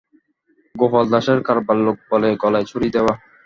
গোপাল দাসের কারবার লোকে বলে গলায় ছুরিদেওয়া।